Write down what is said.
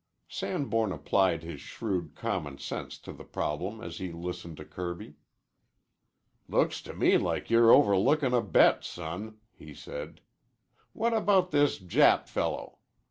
Sanborn applied his shrewd common sense to the problem as he listened to Kirby. "Looks to me like you're overlookin' a bet, son," he said. "What about this Jap fellow?